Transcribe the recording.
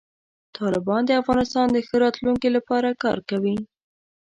طالبان د افغانستان د ښه راتلونکي لپاره کار کوي.